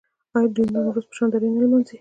آیا دوی نوروز په شاندارۍ نه لمانځي؟